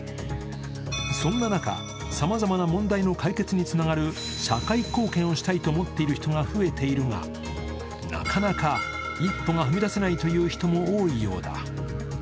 そんな中、さまざまな問題の解決につながる社会貢献をしたいと思っている人が増えているがなかなか一歩が踏み出せないという人も多いようだ。